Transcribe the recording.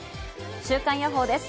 週間予報です。